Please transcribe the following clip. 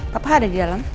papa ada di dalam